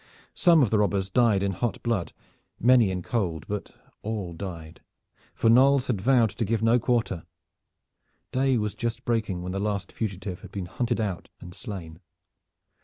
Some of the robbers died in hot blood, many in cold; but all died, for Knolles had vowed to give no quarter. Day was just breaking when the last fugitive had been hunted out and slain.